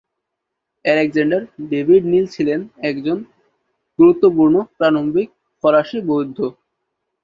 Alexandra David Neel ছিলেন একজন গুরুত্বপূর্ণ প্রারম্ভিক ফরাসি বৌদ্ধ।